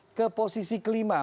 kita bergeser ke posisi kelima